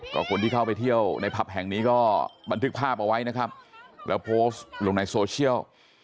ก็คนที่เข้าไปเที่ยวในผับแห่งนี้ก็บันทึกภาพเอาไว้นะครับแล้วโพสต์ลงในโซเชียล